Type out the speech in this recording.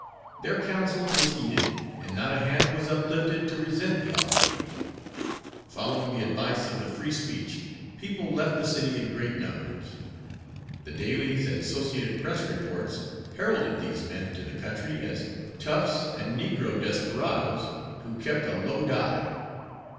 Their counsel was heeded and not a hand was uplifted to resent the outrage; following the advice of the Free Speech, people left the city in great numbers. The dailies and associated press reports heralded these men to the country as "toughs," and "Negro desperadoes who kept a low dive."